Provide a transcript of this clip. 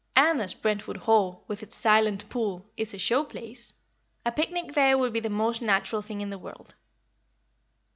And as Brentwood Hall, with its Silent Pool, is a show place a picnic there will be the most natural thing in the world."